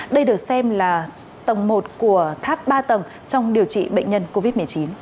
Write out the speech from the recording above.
đây được xem là tầng một của tháp ba tầng trong điều trị bệnh nhân covid một mươi chín